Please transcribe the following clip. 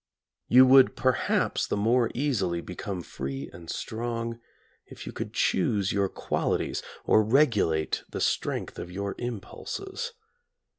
You would perhaps the more easily become free and strong if you could choose your qualities, or regulate the strength of your impulses.